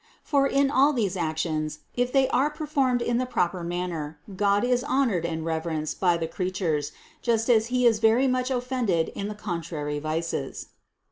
For in all these actions, if they are per formed in the proper manner, God is honored and rever enced by the creatures, just as He is very much offended in the contrary vices.